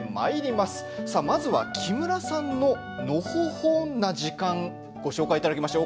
まずは木村さんののほほんな時間ご紹介いただきましょう。